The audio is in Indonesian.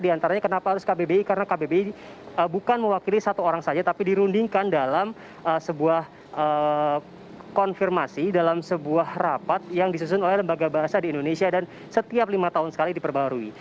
di antaranya kenapa harus kbbi karena kbbi bukan mewakili satu orang saja tapi dirundingkan dalam sebuah konfirmasi dalam sebuah rapat yang disusun oleh lembaga bahasa di indonesia dan setiap lima tahun sekali diperbarui